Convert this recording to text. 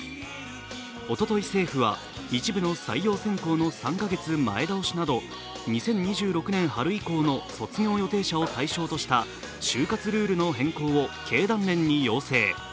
おととい政府は一部の採用選考の３か月前倒しなど２０２６年春以降の卒業予定者を対象とした就活ルールの変更を経団連に要請。